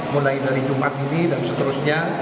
mulai dari jumat ini dan seterusnya